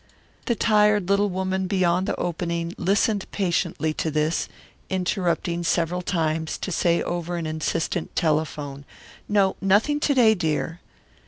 The tired little woman beyond the opening listened patiently to this, interrupting several times to say over an insistent telephone, "No, nothing to day, dear."